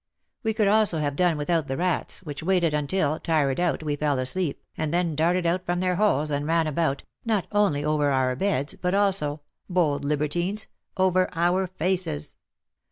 We could also have done without the rats, which waited until, tired out, we fell asleep, and then darted out from their holes and ran about, not only over our beds, but also — bold libertines — over our faces.